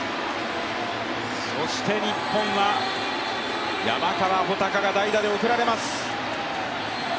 そして日本は山川穂高が代打で送られます。